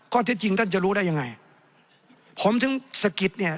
ที่จริงท่านจะรู้ได้ยังไงผมถึงสะกิดเนี่ย